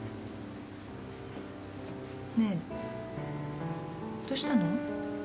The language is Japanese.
ねえどうしたの？